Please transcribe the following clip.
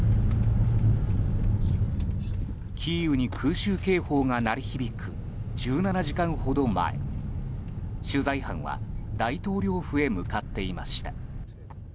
キーウに空襲警報が鳴り響く１７時間ほど前取材班は大統領府へ向かっていました。